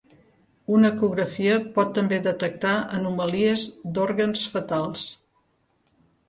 Una ecografia pot també detectar anomalies d"òrgans fetals.